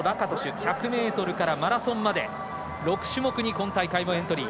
１００ｍからマラソンまで６種目に今大会エントリー。